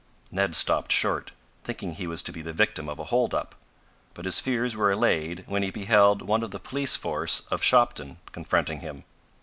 Ned stopped short, thinking he was to be the victim of a holdup, but his fears were allayed when he beheld one of the police force of Shopton confronting him.